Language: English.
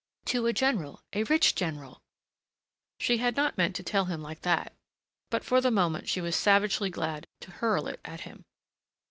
To a general a rich general!" She had not meant to tell him like that! But for the moment she was savagely glad to hurl it at him.